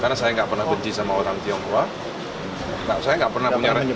karena saya nggak pernah benci sama orang tionghoa